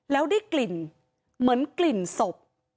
แล้วได้กลิ่นเหมือนกลิ่นศพ